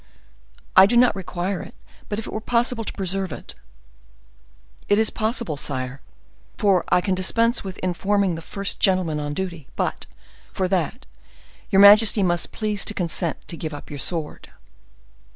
"I do not require it; but if it were possible to preserve it—" "It is possible, sire, for I can dispense with informing the first gentleman on duty; but, for that, your majesty must please to consent to give up your sword."